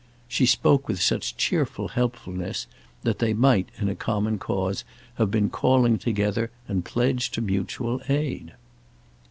She spoke with such cheerful helpfulness that they might, in a common cause, have been calling together and pledged to mutual aid.